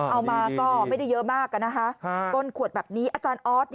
เอามาก็ไม่ได้เยอะมากต้นขวดแบบนี้อาจารย์ออส